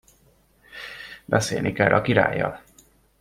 Beszélni kell a királlyal.